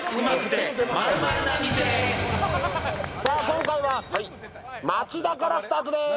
今回は町田からスタートです。